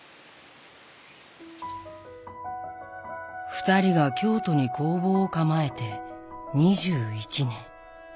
２人が京都に工房を構えて２１年。